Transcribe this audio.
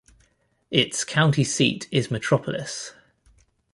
Its county seat is Metropolis.